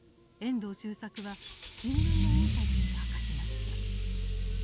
遠藤周作は新聞のインタビューで明かしました。